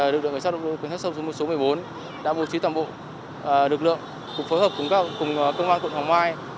lực lượng giao thông số một mươi bốn đã bố trí tầm hồ lực lượng cũng phối hợp cùng công an quận hòa mai